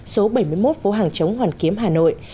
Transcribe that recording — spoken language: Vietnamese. số bảy mươi một phố hàng chống hoàn kiếm hà nội